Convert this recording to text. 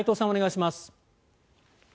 お願いします。